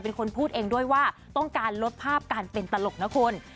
เป็นคนพูดเองด้วยว่าต้องการลดภาพการเป็นตลกนะคุณ